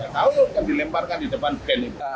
tahu kan dilemparkan di depan band